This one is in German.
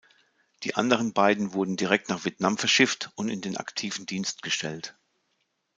Die anderen beiden wurden direkt nach Vietnam verschifft und in den aktiven Dienst gestellt.